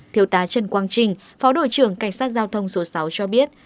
thiếu tá trần quang trình phó đội trưởng cảnh sát giao thông số sáu cho biết